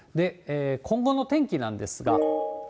今後の天気なんですが。